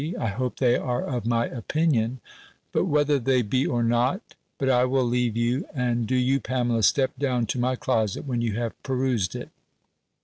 I hope they are of my opinion But whether they be or not But I will leave you; and do you, Pamela, step down to my closet, when you have perused it."